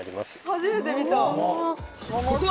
初めて見た。